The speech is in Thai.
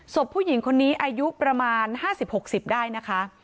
ผู้หญิงคนนี้อายุประมาณ๕๐๖๐ได้นะคะ